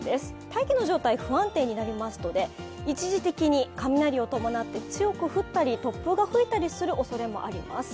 大気の状態が不安定になりますので、一時的に雷を伴って強く降ったり突風が吹いたりするおそれもあります。